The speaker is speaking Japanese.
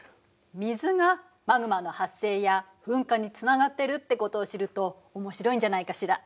水がマグマの発生や噴火につながってるってことを知ると面白いんじゃないかしら。